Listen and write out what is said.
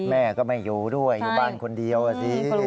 แม่ก็ไม่อยู่ด้วยอยู่บ้านคนเดียวอ่ะสิ